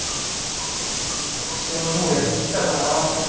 役者はもうやりきったかな。